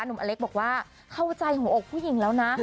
หนุ่มอเล็กบอกว่าเข้าใจของอกผู้หญิงแล้วน่ะ